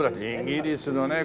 イギリスのね